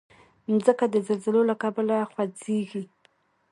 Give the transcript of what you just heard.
مځکه د زلزلو له کبله خوځېږي.